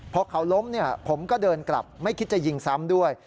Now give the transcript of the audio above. พอเขาล้มผมก็เดินกลับไม่คิดจะยิงซ้ำด้วย